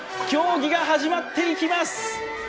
競技が始まっていきます。